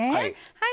はい。